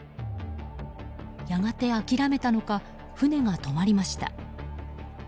やがて、諦めたのか船が止まりました。